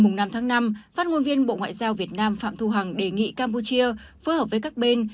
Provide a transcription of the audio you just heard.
ngày năm tháng năm phát ngôn viên bộ ngoại giao việt nam phạm thu hằng đề nghị campuchia phối hợp với các bên